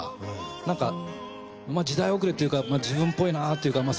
なんかまあ時代遅れっていうかまあ自分っぽいなっていうかまあ